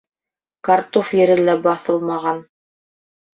Картуф ере лә баҫылмаған.